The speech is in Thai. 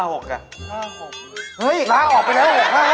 เฮ่ยล้าน้าออกไปแล้ว๕๖ล่ะ